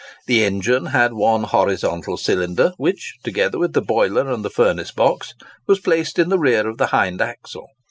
The engine had one horizontal cylinder, which, together with the boiler and the furnace box, was placed in the rear of the hind axle.